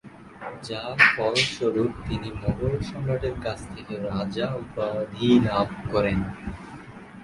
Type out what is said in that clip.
যার ফলস্বরূপ তিনি মোগল সম্রাটের কাছ থেকে "রাজা" উপাধি লাভ করেন।